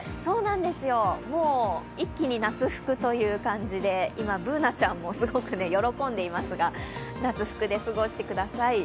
一気に夏服という感じで今、Ｂｏｏｎａちゃんもすごく喜んでいますが、夏服で過ごしてください。